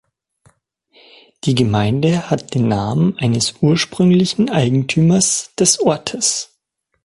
Die Gemeinde hat den Namen eines ursprünglichen Eigentümers des Ortes.